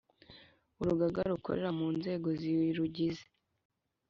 Urugaga rukorera mu nzego zirugize